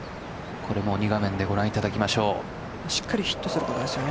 これも２画面でご覧いただきましょう。